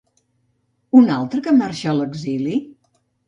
Un altre que marxa a l'exili?